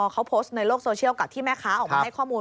เขาโพสต์ในโลกโซเชียลกับที่แม่ค้าออกมาให้ข้อมูล